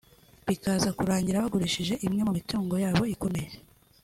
bikaza kurangira bagurishije imwe mu mitungo yabo ikomeye